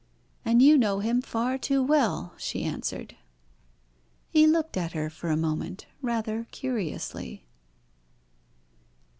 "And you know him far too well," she answered. He looked at her for a moment rather curiously.